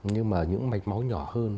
nhưng mà những mạch máu nhỏ hơn